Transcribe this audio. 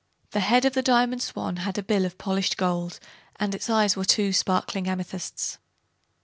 The head of the Diamond Swan had a bill of polished gold and its eyes were two sparkling amethysts.